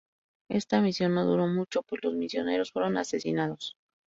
Esta misión no duró mucho, pues los misioneros fueron asesinados.